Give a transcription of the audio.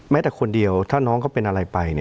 แต่คนเดียวถ้าน้องเขาเป็นอะไรไป